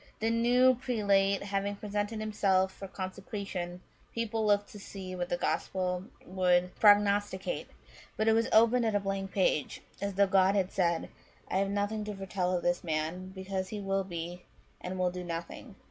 " The new prelate having presented himself for consecration, people looked to see what the Gospel would prognosticate ; but it was opened at a blank page, as though God had said, * I have nothing to foretell of this man, because he will be, and will do, nothing.'